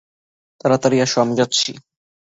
তাড়াতাড়ি আসো, আমি যাচ্ছি।